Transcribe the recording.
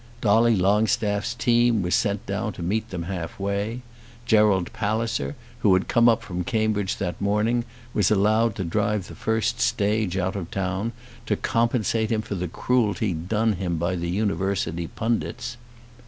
Dolly Longstaff's team was sent down to meet them half way. Gerald Palliser, who had come up from Cambridge that morning, was allowed to drive the first stage out of town to compensate him for the cruelty done to him by the University pundits.